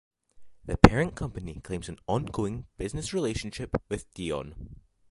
The parent company claims an ongoing business relationship with Dion.